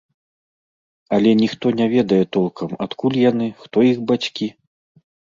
Але ніхто не ведае толкам, адкуль яны, хто іх бацькі.